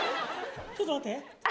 ちょっと待って。